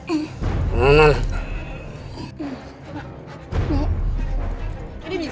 ini bisa gak dimatikan